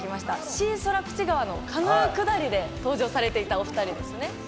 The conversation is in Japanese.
シーソラプチ川のカヌー下りで登場されていたお二人ですね。